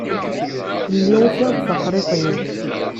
Lliɣ ufiɣ-d taxṛiṭ-iw.